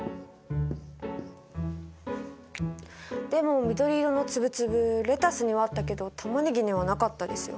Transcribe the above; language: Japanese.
でも緑色の粒々レタスにはあったけどタマネギにはなかったですよ。